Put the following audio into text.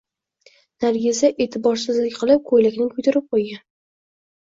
Nargiza e`tiborsizlik qilib ko`ylakni kuydirib qo`ygan